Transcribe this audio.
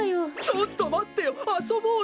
ちょっとまってよあそぼうよ。